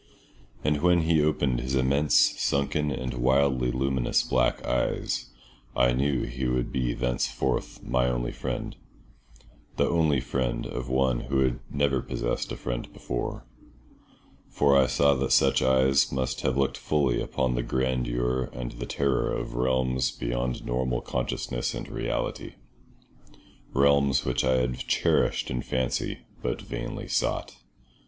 And when he opened his immense, sunken, and wildly luminous black eyes I knew he would be thenceforth my only friend—the only friend of one who had never possessed a friend before—for I saw that such eyes must have looked fully upon the grandeur and the terror of realms beyond normal consciousness and reality; realms which I had cherished in fancy, but vainly sought.